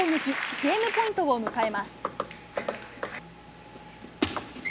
ゲームポイントを迎えます。